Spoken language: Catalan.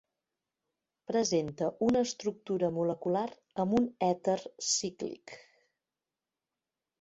Presenta una estructura molecular amb un èter cíclic.